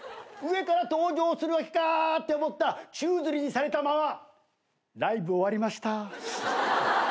上から登場するって思ったら宙づりにされたままライブ終わりました。